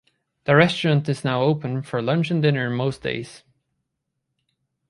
The restaurant is now open for lunch and dinner most days.